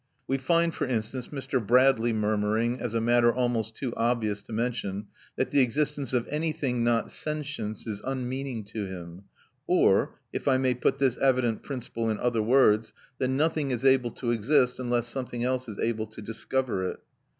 We find, for instance, Mr. Bradley murmuring, as a matter almost too obvious to mention, that the existence of anything not sentience is unmeaning to him; or, if I may put this evident principle in other words, that nothing is able to exist unless something else is able to discover it.